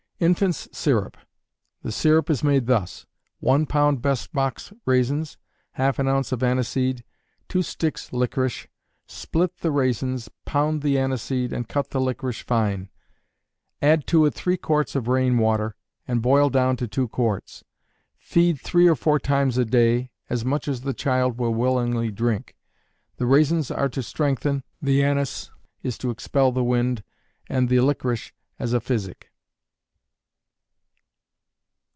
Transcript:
Infant's Syrup. The syrup is made thus: one pound best box raisins, half an ounce of aniseseed, two sticks licorice; split the raisins, pound the aniseseed, and cut the licorice fine; add to it three quarts of rain water, and boil down to two quarts. Feed three or four times a day, as much as the child will willingly drink. The raisins are to strengthen, the anise is to expel the wind, and the licorice as a physic.